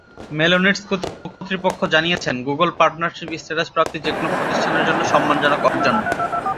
মেলোনেডস কর্তৃপক্ষ জানিয়েছে, Google partnership status প্রাপ্তি যেকোনো প্রতিষ্ঠানের জন্য সম্মানজনক অর্জন।